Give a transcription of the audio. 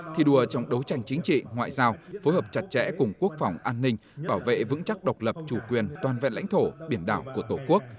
thi đua trong đấu tranh chính trị ngoại giao phối hợp chặt chẽ cùng quốc phòng an ninh bảo vệ vững chắc độc lập chủ quyền toàn vẹn lãnh thổ biển đảo của tổ quốc